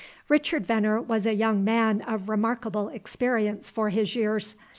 Richard Veneer was a young man of remarkable experience for his years.